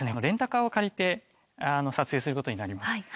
レンタカーを借りて撮影する事になります。